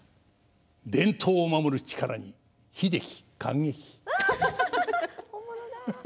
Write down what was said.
伝統を守る力に英樹感激！